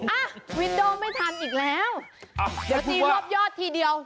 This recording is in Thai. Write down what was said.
อ่ะวินโดไม่ทันอีกแล้วเดี๋ยวตีรอบยอดทีเดียว